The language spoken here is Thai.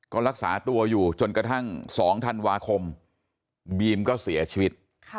ก็รักษาตัวอยู่จนกระทั่ง๒ธันวาคมบีมก็เสียชีวิต